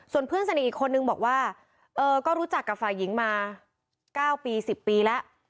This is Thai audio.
ส่วนเพื่อนสนิทอีกคนนึงบอกว่าก็รู้จักกับฝ่ายหญิงมา๙ปี๑๐ปีแล้ว